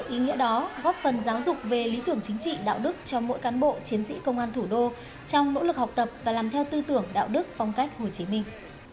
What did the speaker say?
ý nghĩa đó góp phần giáo dục về lý tưởng chính trị đạo đức cho mỗi cán bộ chiến sĩ công an thủ đô trong nỗ lực học tập và làm theo tư tưởng đạo đức phong cách hồ chí minh